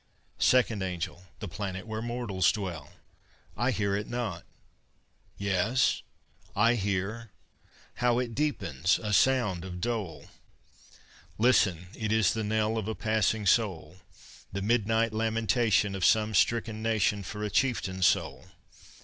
SECOND ANGEL The planet where mortals dwell! I hear it not ... yes, I hear; How it deepens a sound of dole! FIRST ANGEL Listen! It is the knell Of a passing soul The midnight lamentation Of some stricken nation For a Chieftain's soul!